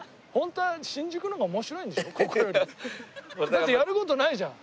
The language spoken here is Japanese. だってやる事ないじゃん。